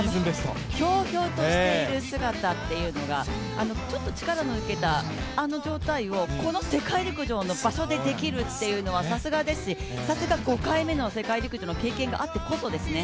ひょうひょうとしている姿っていうのがちょっと力の抜けた、あの状態をこの世界陸上の場所でできるというのはさすがですしさすが５回目の世陸陸上の経験があってこそですね。